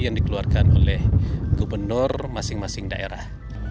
yang dikeluarkan oleh gubernur masing masing daerah